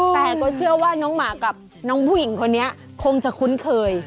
แต่ก็เชื่อว่าน้องหมากับน้องผู้หญิงคนนี้คงจะคุ้นเคย